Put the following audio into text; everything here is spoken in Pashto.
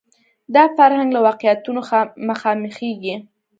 دا فرهنګ له واقعیتونو مخامخېږي